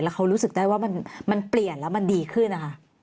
เขารู้สึกได้ว่ามันเปลี่ยนแล้วมันดีขึ้นนะคะ